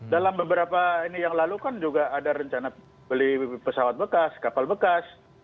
dalam beberapa ini yang lalu kan juga ada rencana beli pesawat bekas kapal bekas